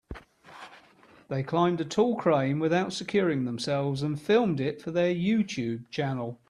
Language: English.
They climbed a tall crane without securing themselves and filmed it for their YouTube channel.